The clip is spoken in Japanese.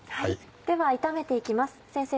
では炒めていきます先生